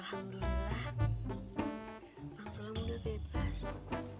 alhamdulillah langsung udah bebas